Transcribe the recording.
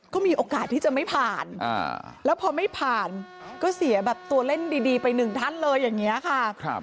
ก็มีโอกาสที่จะไม่ผ่านแล้วพอไม่ผ่านก็เสียแบบตัวเล่นดีไปหนึ่งท่านเลยอย่างนี้ค่ะ